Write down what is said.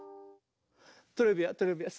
トレビアントレビアン。